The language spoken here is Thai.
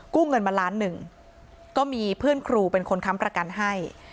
เงินมาล้านหนึ่งก็มีเพื่อนครูเป็นคนค้ำประกันให้